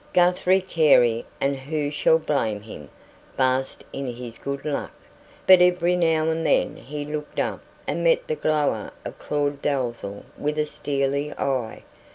Guthrie Carey and who shall blame him? basked in his good luck. But every now and then he looked up and met the glower of Claud Dalzell with a steely eye.